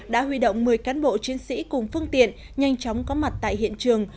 đã huy động một mươi cán bộ chiến sĩ cùng phương tiện nhanh chóng có mặt tại hiện trường